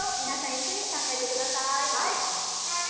皆さん、一緒に考えてください。